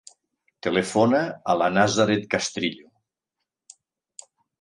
Telefona a la Nazaret Castrillo.